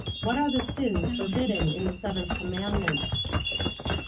What are the sins forbidden in the seventh commandment?